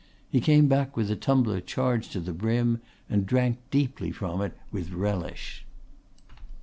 He came back with the tumbler charged to the brim and drank deeply from it with relish.